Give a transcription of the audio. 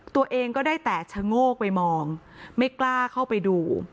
ตัวเองก็ได้แต่ชะโงกไปมองไม่กล้าเข้าไปดู